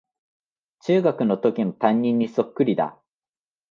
中学のときの担任にそっくりだ